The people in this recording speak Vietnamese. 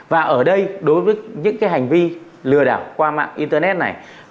và ở đây đối với những cái hành vi lừa đảo qua mạng internet này